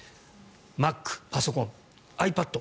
マック、パソコンｉＰａｄ。